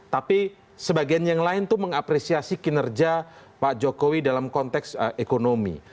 tapi sebagian yang lain tuh mengapresiasi kinerja pak jokowi dalam konteks ekonomi